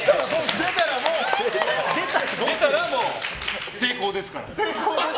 出たらもう成功ですから。